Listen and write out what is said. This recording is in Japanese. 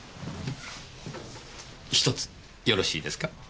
１つよろしいですか？